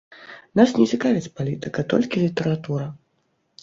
Нас не цікавіць палітыка, толькі літаратура.